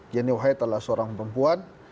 jenny wahid adalah seorang perempuan